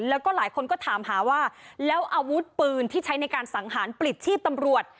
แล้วก็หลายคนก็ถามหาว่าแล้วอาวุธปืนที่ใช้ในการสังหารปลิดชีพตำรวจ